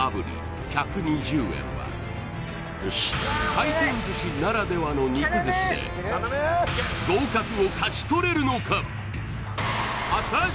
回転寿司ならではの肉寿司で合格を勝ち取れるのか？